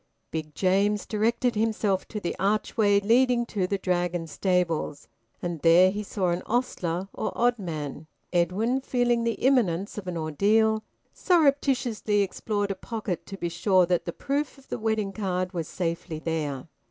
Big James directed himself to the archway leading to the Dragon stables, and there he saw an ostler or oddman. Edwin, feeling the imminence of an ordeal, surreptitiously explored a pocket to be sure that the proof of the wedding card was safely there.